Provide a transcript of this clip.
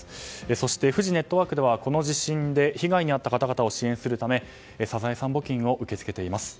そして、フジネットワークではこの地震で被害に遭った方々を支援するためサザエさん募金を受け付けています。